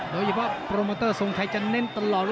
โดยเฉพาะโปรโมเตอร์ทรงชัยจะเน้นตลอด